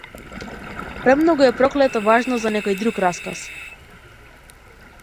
Премногу е проклето важно за некој друг расказ.